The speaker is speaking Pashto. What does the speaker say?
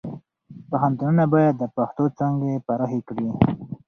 پوهنتونونه باید د پښتو څانګې پراخې کړي.